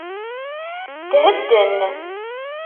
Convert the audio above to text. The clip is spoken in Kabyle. Thedden.